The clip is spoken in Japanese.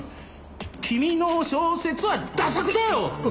君の小説は駄作だよ！